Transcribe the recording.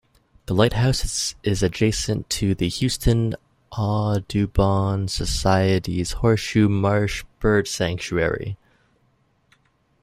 The lighthouse is adjacent to the Houston Audubon Society's Horseshoe Marsh Bird Sanctuary.